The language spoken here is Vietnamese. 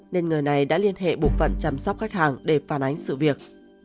nên người này đã liên hệ bộ phận chăm sóc khách hàng để phản ánh sự việc